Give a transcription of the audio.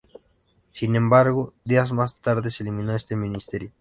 Sin embargo, días más tarde se eliminó este ministerio.